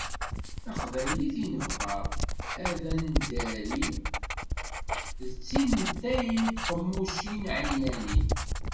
Taqbaylit i nebɣa ad neddari d tin n tayri d tqemmucin εinani.